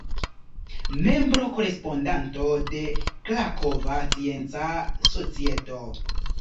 Membro-korespondanto de Krakova Scienca Societo.